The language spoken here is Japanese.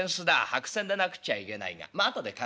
白扇でなくっちゃいけないがまあ後で貸すから。